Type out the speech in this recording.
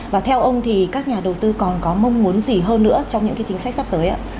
và theo ông thì các nhà đầu tư còn có mong muốn gì hơn nữa trong những chính sách sắp tới ạ